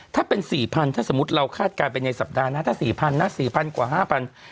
ถ้าเป็น๔๐๐ถ้าสมมุติเราคาดการณ์ไปในสัปดาห์นะถ้า๔๐๐นะ๔๐๐กว่า๕๐๐บาท